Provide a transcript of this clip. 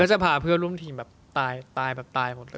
มันก็จะพาเพื่อนร่วมทีมแบบตายหมดเลย